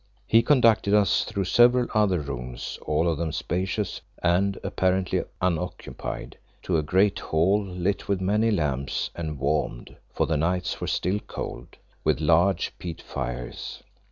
He conducted us through several other rooms, all of them spacious and apparently unoccupied, to a great hall lit with many lamps and warmed for the nights were still cold with large peat fires.